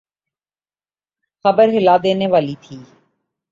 خبر ہلا دینے والی تھی۔